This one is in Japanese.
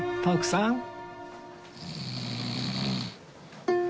徳さん